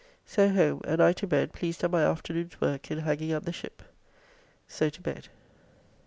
So home and I to bed pleased at my afternoon's work in hanging up the shipp. So to bed.